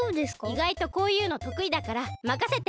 いがいとこういうのとくいだからまかせて！